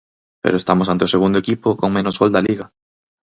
Pero estamos ante o segundo equipo con menos gol da Liga.